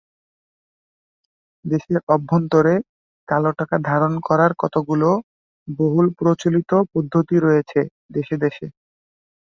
দেশের অভ্যন্তরে কালোটাকা ধারণ করার কতগুলো বহুল প্রচলিত পদ্ধতি রয়েছে দেশে দেশে।